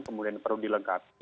kemudian perlu dilengkapi